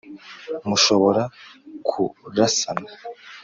mushobora kurasana